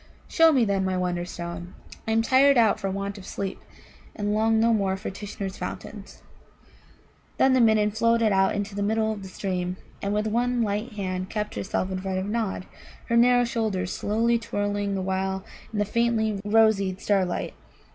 "Show me, then, my Wonderstone. I am tired out for want of sleep, and long no more for Tishnar's fountains." Then the Midden floated out into the middle of the stream, and with one light hand kept herself in front of Nod, her narrow shoulders slowly twirling the while in the faintly rosied starlight.